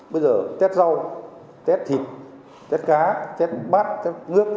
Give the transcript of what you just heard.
bây giờ test rau test thịt test cá test bát test nước